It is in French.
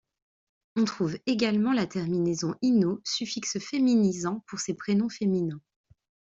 On trouve également la terminaison –ino, suffixe féminisant, pour ces prénoms féminins.